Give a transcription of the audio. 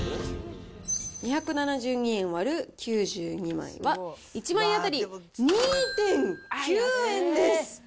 ２７２円割る９２枚は、１枚当たり２．９円です。